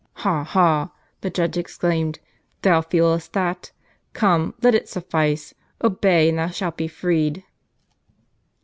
"Ha! ha!" the judge exclaimed, "thou feelest that? Come, let it suffice; obey, and thou shalt be freed."